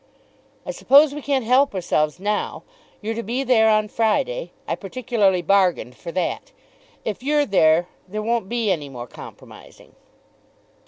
"I suppose we can't help ourselves now. You're to be there on Friday. I particularly bargained for that. If you're there, there won't be any more compromising."